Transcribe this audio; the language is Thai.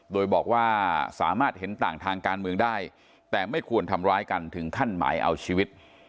โดยบอกว่าสามารถเห็นต่างทางการเมืองได้แต่ไม่ควรทำร้ายกันถึงขั้นหมายเอาชีวิต